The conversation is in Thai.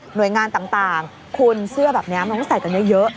หน่วยงานต่างต่างคุณเสื้อแบบเนี้ยมันต้องใส่กันเยอะเยอะ